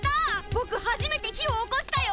ぼくはじめて火をおこしたよ！